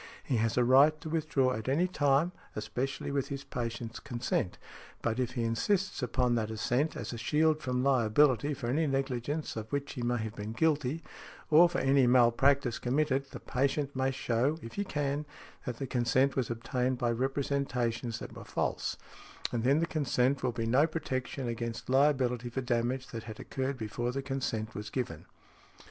He has a right to withdraw at any time, especially with his patient's consent, but if he insists upon that assent as a shield from liability for any negligence of which he may have been guilty, or for any malpractice committed, the patient may show, if he can, that the consent was obtained by representations that were false; and then the consent will be no protection against liability for damage that had occurred before the consent was given .